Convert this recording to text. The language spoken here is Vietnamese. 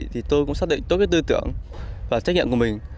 thì tôi cũng xác định tốt với tư tưởng và trách nhiệm của mình